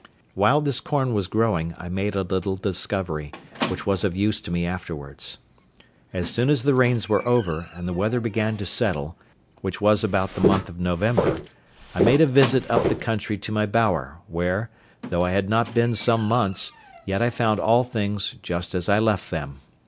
While this corn was growing I made a little discovery, which was of use to me afterwards. As soon as the rains were over, and the weather began to settle, which was about the month of November, I made a visit up the country to my bower, where, though I had not been some months, yet I found all things just as I left them.